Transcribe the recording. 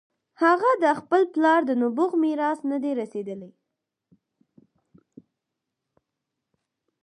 هغه د خپل پلار د نبوغ میراث نه دی رسېدلی.